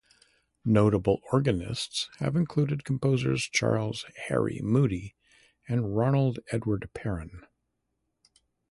Notable organists have included composers Charles Harry Moody and Ronald Edward Perrin.